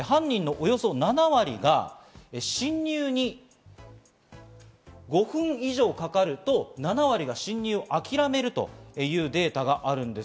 犯人のおよそ７割が侵入に５分以上かかると７割が侵入を諦めるというデータがあるんです。